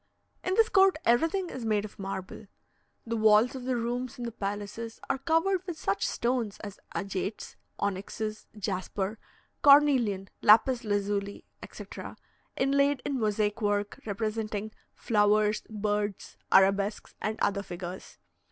In this court, everything is made of marble. The walls of the rooms in the palaces are covered with such stones as agates, onyxes, jasper, cornelian, lapis lazuli, etc., inlaid in mosaic work, representing flowers, birds, arabesques, and other figures.